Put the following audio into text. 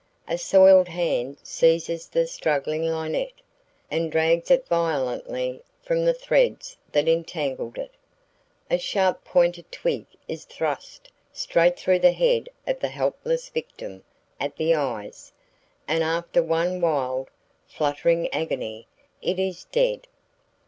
A soiled hand seizes the struggling linnet, and drags it violently from the threads that entangled it. A sharp pointed twig is thrust straight through the head of the helpless victim at the eyes, and after one wild, fluttering agony—it is dead.